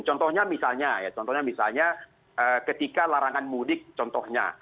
contohnya misalnya ya contohnya misalnya ketika larangan mudik contohnya